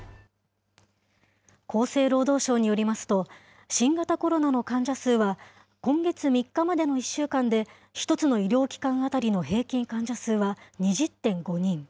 厚生労働省によりますと、新型コロナの患者数は、今月３日までの１週間で、１つの医療機関当たりの平均患者数は２０．５人。